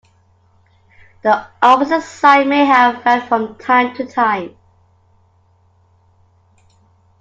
The opposite side may have varied from time to time.